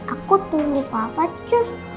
aku tunggu papa cus